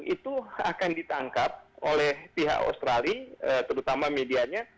itu akan ditangkap oleh pihak australia terutama medianya